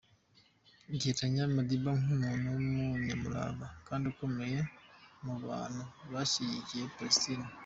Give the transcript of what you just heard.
Agereranya Madiba nk’umuntu “w’Umunyamurava kandi ukomeye mubantu bashyigikiye Palesitine.